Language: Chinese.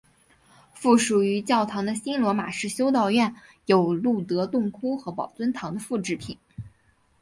附属于教堂的新罗马式修道院有露德洞窟和宝尊堂的复制品。